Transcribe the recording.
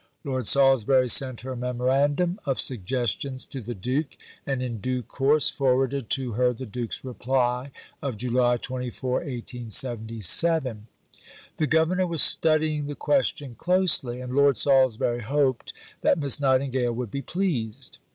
Lord Salisbury sent her memorandum of suggestions to the Duke, and in due course forwarded to her the Duke's reply (of July 24, 1877). The Governor was studying the question closely, and Lord Salisbury hoped that Miss Nightingale would be pleased.